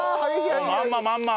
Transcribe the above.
まんままんま！